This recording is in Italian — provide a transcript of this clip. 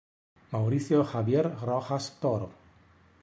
Mauricio Javier Rojas Toro